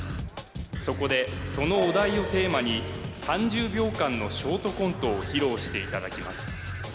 そこでそのお題をテーマに３０秒間のショートコントを披露していただきます